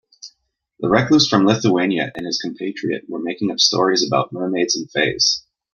The recluse from Lithuania and his compatriot were making up stories about mermaids and fays.